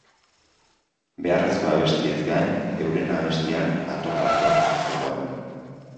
Beharrezko abestiez gain, euren abestian Hator, hator zegoen.